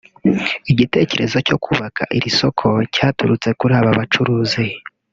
Igitekerezo cyo kubaka iri soko cyaturutse kuri aba bacuruzi